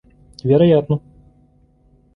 Вероятно!